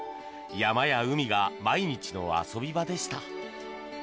山や海が毎日の遊び場でした。